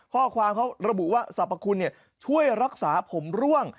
ข้อความเขาระบุว่าสรรพคุณช่วยรักษาผมร่วง